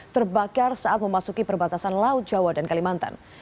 terbakar saat memasuki perbatasan laut jawa dan kalimantan